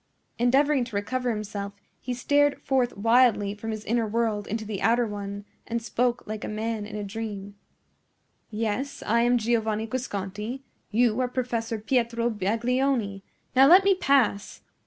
Endeavoring to recover himself, he stared forth wildly from his inner world into the outer one and spoke like a man in a dream. "Yes; I am Giovanni Guasconti. You are Professor Pietro Baglioni. Now let me pass!"